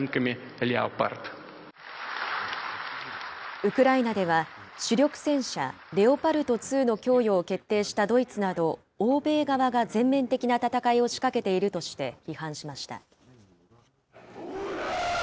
ウクライナでは、主力戦車レオパルト２の供与を決定したドイツなど、欧米側が全面的な戦いを仕掛けているとして批判しました。